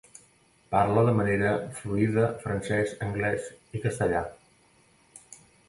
Parla de manera fluida francès, anglès i castellà.